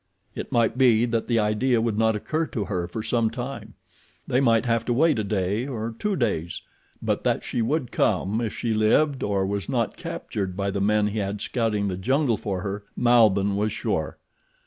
It might be that the idea would not occur to her for some time. They might have to wait a day, or two days; but that she would come if she lived or was not captured by the men he had scouting the jungle for her Malbihn was sure.